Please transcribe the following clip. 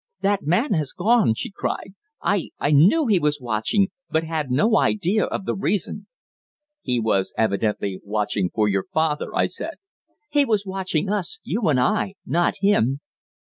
"That man has gone!" she cried. "I I knew he was watching, but had no idea of the reason." "He was evidently watching for your father," I said. "He was watching us you and I not him."